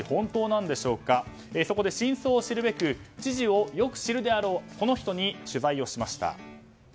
そこで、真相を知るべく知事をよく知るであろうこの人に取材しました。